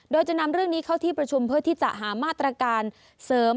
โดยจะนำเรื่องนี้เข้าที่ประชุมเพื่อที่จะหามาตรการเสริม